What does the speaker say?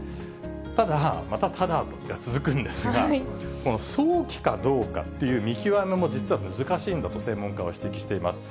ただ、またただが続くんですが、この早期かどうかっていう見極めも、実は難しいんだと、専門家は指摘しています。